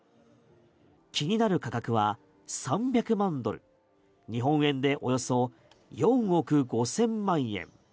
気になる価格は３００万ドル日本円でおよそ４億５０００万円。